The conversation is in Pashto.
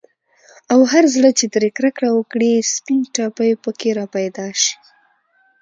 او هر زړه چي ترې كركه وكړي، سپين ټاپى په كي راپيدا شي